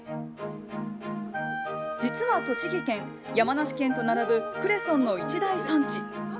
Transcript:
実は栃木県、山梨県と並ぶクレソンの一大産地。